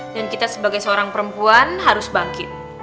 dan kita sebagai seorang perempuan harus bangkit